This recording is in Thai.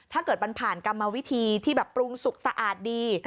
ถ้าเกิดมันผ่านกรรมวิธีที่แบบปรุงสุกสะอาดดี